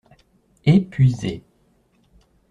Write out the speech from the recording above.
Épuisé.